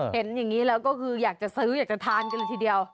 เห็นอย่างนี้แล้วก็คืออยากจะซื้ออยากจะทานกันเลยทีเดียว